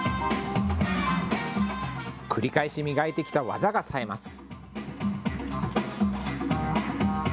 繰り返し磨いてきた技がさえます。